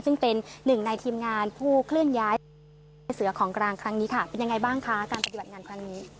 ซึ่งเป็นหนึ่งในทีมงานผู้เคลื่อนย้ายเสือของกลางครั้งนี้ค่ะเป็นยังไงบ้างคะการปฏิบัติงานครั้งนี้